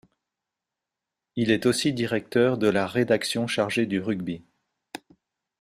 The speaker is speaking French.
Il est aussi directeur de la rédaction chargé du rugby.